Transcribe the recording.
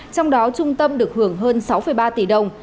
trong đó trung tâm được hưởng hơn sáu ba tỷ đồng